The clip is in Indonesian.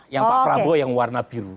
yang pak prabowo yang warna biru